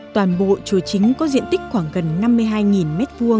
toàn bộ chùa chính có diện tích khoảng gần năm mươi hai m hai